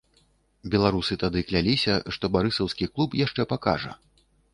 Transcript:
Беларусы тады кляліся, што барысаўскі клуб яшчэ пакажа.